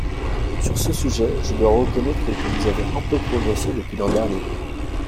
Sur ce sujet, je dois reconnaître que nous avons peu progressé depuis l’an dernier.